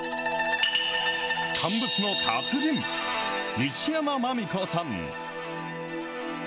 乾物の達人、西山麻実子さん。